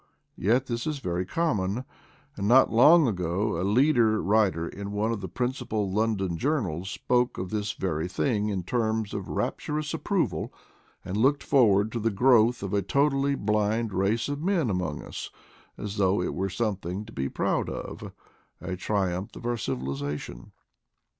Yet this is very common ; and not long ago a leader writer in one of the prin cipal London journals spoke of this very thing in terms of rapturous approval, and looked for 176 IDLE DAYS IN PATAGONIA ward to the growth of a totally blind race of men among us, as though it were something to be proud of — a triumph of our civilization!